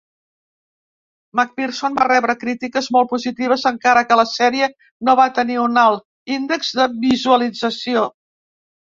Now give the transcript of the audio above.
MacPherson va rebre crítiques molt positives, encara que la sèrie no va tenir un alt índex de visualització.